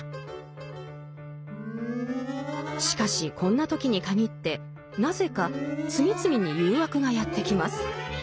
しかしこんな時に限ってなぜか次々に誘惑がやって来ます。